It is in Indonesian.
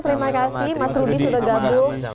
terima kasih mas rudy sudah gabung